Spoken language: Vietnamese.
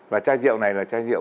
và chai rượu này là chai rượu